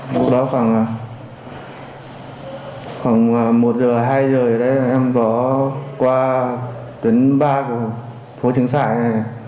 vụ đó khoảng một giờ hai giờ em có qua tuyến ba của phố trứng sải này